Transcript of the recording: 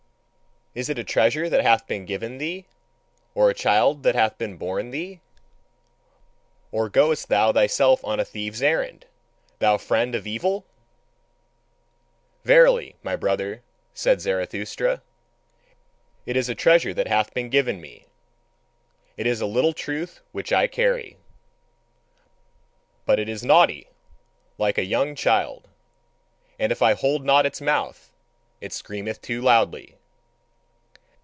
Is it a treasure that hath been given thee? Or a child that hath been born thee? Or goest thou thyself on a thief's errand, thou friend of the evil?" Verily, my brother, said Zarathustra, it is a treasure that hath been given me: it is a little truth which I carry. But it is naughty, like a young child; and if I hold not its mouth, it screameth too loudly.